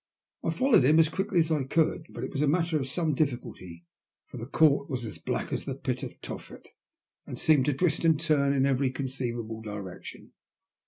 I followed him as quickly as I cooldy but it was a matter of some difficulty, for the court was as black as the Fit of Tophet, and seemed to twist and turn in every con ceivable direction.